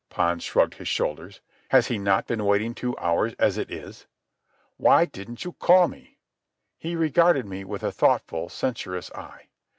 Pons shrugged his shoulders. "Has he not been waiting two hours as it is?" "Why didn't you call me?" He regarded me with a thoughtful, censorious eye.